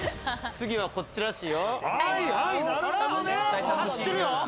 次はこっちらしいよ。